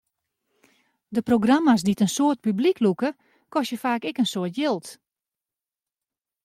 De programma's dy't in soad publyk lûke, kostje faak ek in soad jild.